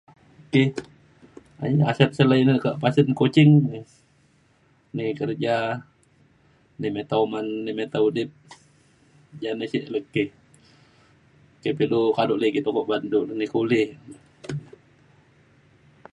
ki asat sik le nai ke pasen kuching nai kerja nai meta oman nai meta udip jane sik lu ki. engke pe ilu kaduk ligit ooko ban du nai kuli.